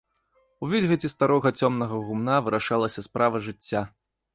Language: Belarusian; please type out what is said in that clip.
У вільгаці старога цёмнага гумна вырашалася справа жыцця.